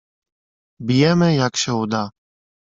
"Bijemy, jak się uda."